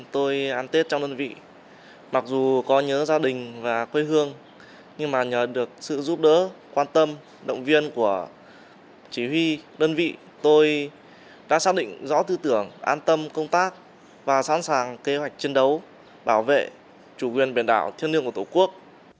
tôi ăn tết trong đơn vị mặc dù có nhớ gia đình và quê hương nhưng mà nhờ được sự giúp đỡ quan tâm động viên của chỉ huy đơn vị tôi đã xác định rõ tư tưởng an tâm công tác và sẵn sàng kế hoạch chiến đấu bảo vệ chủ quyền biển đảo thiêng liêng của tổ quốc